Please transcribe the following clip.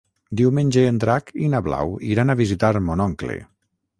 Diumenge en Drac i na Blau iran a visitar mon oncle.